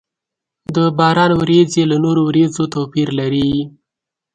د باران ورېځې له نورو ورېځو توپير لري.